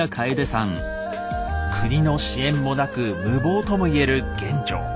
国の支援もなく無謀とも言える玄奘。